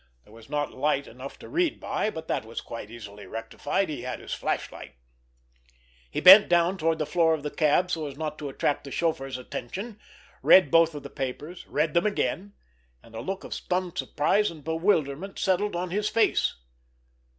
There was not light enough to read by, but that was quite easily rectified. He had his flashlight. He bent well down toward the floor of the cab so as not to attract the chauffeur's attention, read both of the papers, read them again—and a look of stunned surprise and bewilderment settled on his face.